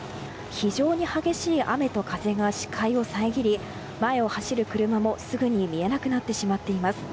非常に激しい雨と風が視界を遮り前を走る車も、すぐに見えなくなってしまっています。